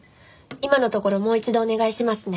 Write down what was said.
今のところもう一度お願いしますね。